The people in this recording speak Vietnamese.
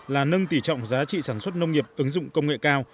là nâng tỉ trọng giá trị sản xuất nông nghiệp ứng dụng công nghệ cao